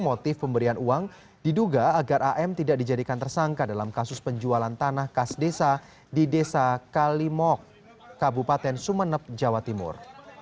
motif pemberian uang diduga agar am tidak dijadikan tersangka dalam kasus penjualan tanah kas desa di desa kalimok kabupaten sumeneb jawa timur